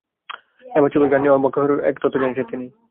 এবার ছবির গান নিয়ে অবাক হওয়ার মতো এক তথ্য জানিয়েছেন তিনি।